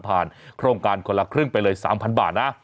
โครงการคนละครึ่งไปเลย๓๐๐บาทนะ